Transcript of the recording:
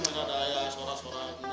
bukan ada ayah sorak sorak